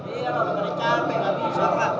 iya kalau dari kt tapi di surat